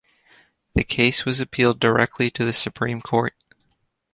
The case was appealed directly to the Supreme Court.